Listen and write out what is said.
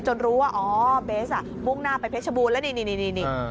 จนรู้ว่าอ๋อเบสปุ่งหน้าไปเพชบูนแล้วนี่นี่นี่